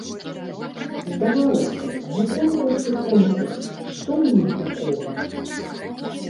Здавалася б, ну конкурс і конкурс, што ў ім такога.